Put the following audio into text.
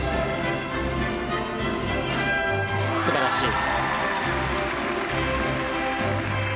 素晴らしい。